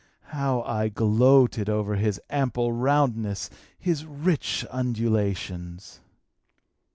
How I gloated over his ample roundness, his rich undulations!